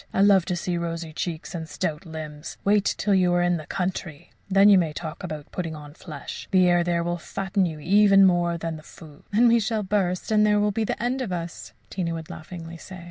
I love to see rosy cheeks and stout limbs. Wait till you're in the country! Then you may talk about putting on flesh. The air there will fatten you even more than the food." "Then we shall burst, and there will be an end of us," Tina would laughingly say.